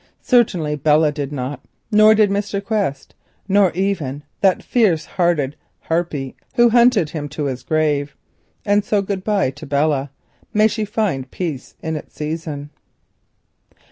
Certainly Belle did not, nor Mr. Quest, nor even that fierce hearted harpy who hunted him to his grave. And so good bye to Belle. May she find peace in its season!